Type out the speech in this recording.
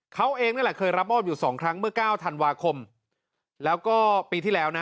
เขาเองนั่นแหละเคยรับมอบอยู่สองครั้งเมื่อ๙ธันวาคมแล้วก็ปีที่แล้วนะ